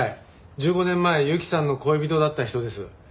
１５年前雪さんの恋人だった人です。